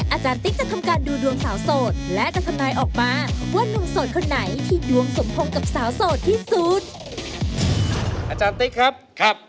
อาจารย์ติ๊กครับครับ